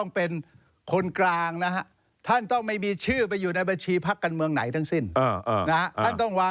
นี่นี่นี่นี่นี่นี่นี่นี่นี่นี่นี่นี่